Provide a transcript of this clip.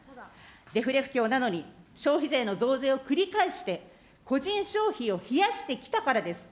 デフレ不況なのに、消費税の増税を繰り返して個人消費を冷やしてきたからです。